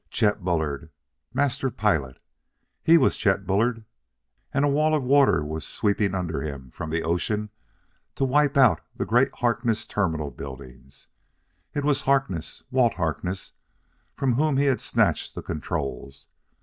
Chet Bullard, Master Pilot; he was Chet Bullard ... and a wall of water was sweeping under him from the ocean to wipe out the great Harkness Terminal buildings.... It was Harkness Walt Harkness from whom he had snatched the controls....